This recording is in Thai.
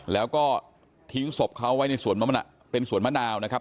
แล้วก็ทิ้งศพเขาไว้ในสวนมะนาวนะครับ